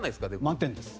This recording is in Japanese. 満点です。